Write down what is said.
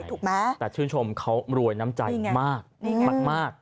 ถูกไหมแต่ชื่นชมเขารวยน้ำใจมากมาก